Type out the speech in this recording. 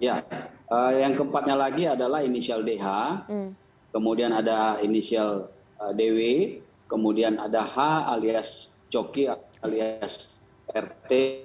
ya yang keempatnya lagi adalah inisial dh kemudian ada inisial dw kemudian ada h alias coki alias rt